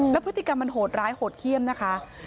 แล้วพฤติกรรมมันโหดร้ายโหดเขี้ยมนะคะ